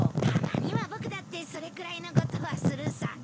たまには僕だってそれくらいのことはするさ。